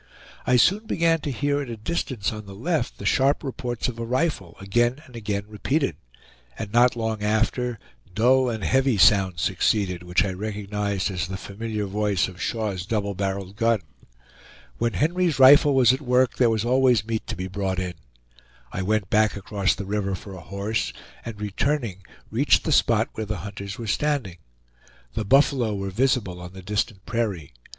I soon began to hear at a distance on the left the sharp reports of a rifle, again and again repeated; and not long after, dull and heavy sounds succeeded, which I recognized as the familiar voice of Shaw's double barreled gun. When Henry's rifle was at work there was always meat to be brought in. I went back across the river for a horse, and returning, reached the spot where the hunters were standing. The buffalo were visible on the distant prairie.